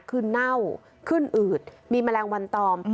คือเน่าขึ้นอืดมีแมลงวันตอม